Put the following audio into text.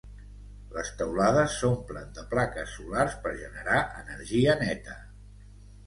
Les teulades s'omplen de plaques solars per generar energia neta.